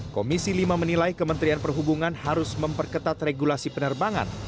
komisi lima menilai kementerian perhubungan harus memperketat regulasi penerbangan